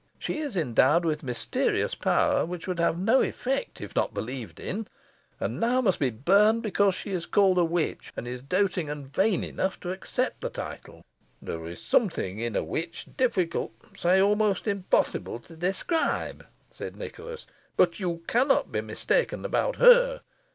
She is endowed with mysterious power, which would have no effect if not believed in; and now must be burned because she is called a witch, and is doting and vain enough to accept the title." "There is something in a witch difficult, nay, almost impossible to describe," said Nicholas, "but you cannot be mistaken about her.